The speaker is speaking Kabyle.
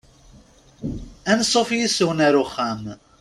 Ansuf yes-wen ar uxxam.